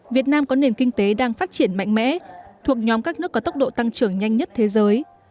việt nam có nền kinh tế đang phát triển mạnh mẽ thuộc nhóm các nước có tốc độ tăng trưởng nhanh nhất thế giới